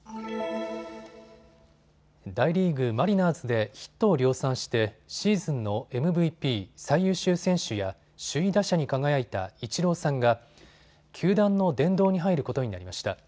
大リーグ、マリナーズでヒットを量産してシーズンのＭＶＰ・最優秀選手や首位打者に輝いたイチローさんが球団の殿堂に入ることになりました。